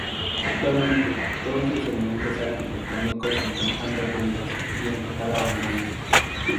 Actualmente, todos sus elementos arquitectónicos se encuentran derruidos y en total abandono.